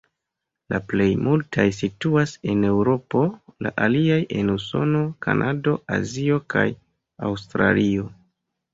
La plej multaj situas en Eŭropo, la aliaj en Usono, Kanado, Azio kaj Aŭstralio.